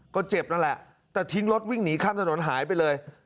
ก็เจ็บนั่นแหละแต่ทิ้งรถวิ่งหนีข้ามถนนหายไปเลย